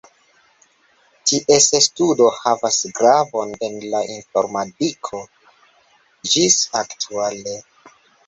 Ties studo havas gravon en la informadiko ĝis aktuale.